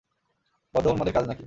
বদ্ধ উন্মাদের কাজ নাকি?